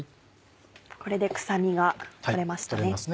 これで臭みが取れましたね。